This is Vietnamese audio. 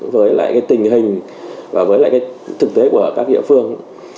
với lại cái tình hình và với lại cái thực tế của các địa phương